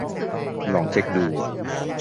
ลองเช็คดู